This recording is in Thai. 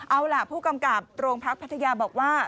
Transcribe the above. เอาล่ะผู้กำกับโรงพักพัทยาบอกว่า